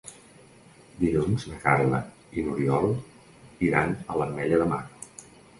Dilluns na Carla i n'Oriol iran a l'Ametlla de Mar.